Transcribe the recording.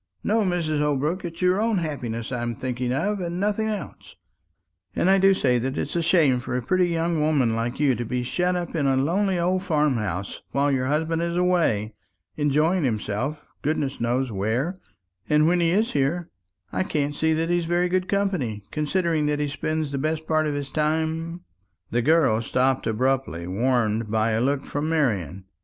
No, Mrs. Holbrook; it's your own happiness I'm thinking of, and nothing else. And I do say that it's a shame for a pretty young woman like you to be shut up in a lonely old farm house while your husband is away, enjoying himself goodness knows where; and when he is here, I can't see that he's very good company, considering that he spends the best part of his time " The girl stopped abruptly, warned by a look from Marian.